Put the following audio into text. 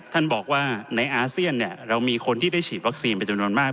ท่านบอกว่าในอาเซียนเรามีคนที่ได้ฉีดวัคซีนเป็นจำนวนมาก